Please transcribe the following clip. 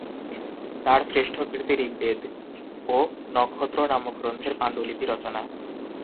তার শ্রেষ্ঠ কীর্তি ঋগ্বেদ ও নক্ষত্র নামক গ্রন্থের পান্ডুলিপি রচনা।